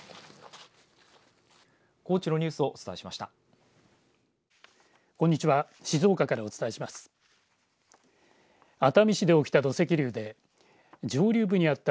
高知のニュースをお伝えしました。